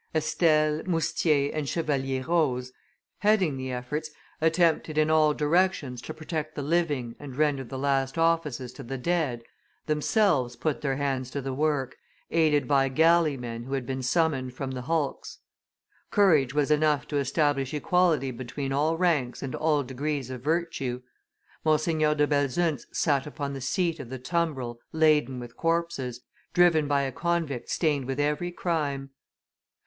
Estelle, Moustier, and Chevalier Roze, heading the efforts attempted in all directions to protect the living and render the last offices to the dead, themselves put their hands to the work, aided by galley men who had been summoned from the hulks. Courage was enough to establish equality between all ranks and all degrees of virtue. Monseigneur de Belzunce sat upon the seat of the tumbrel laden with corpses, driven by a convict stained with every crime.